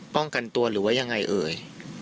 ป้องกันตัวหรือว่ายังไงเอ่ย